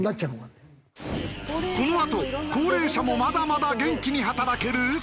このあと高齢者もまだまだ元気に働ける？